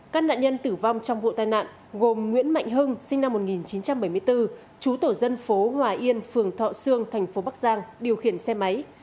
các nạn nhân tử vong trong vụ tai nạn gồm nguyễn mạnh hưng sinh năm một nghìn chín trăm bảy mươi bốn chú tổ dân phố hòa yên phường thọ sương thành phố bắc giang điều khiển xe máy